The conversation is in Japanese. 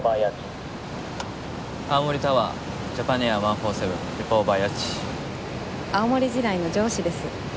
青森時代の上司です。